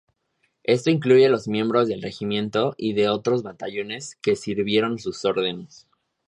Esto incluye los miembros del regimiento y de otros batallones que sirvieron su órdenes.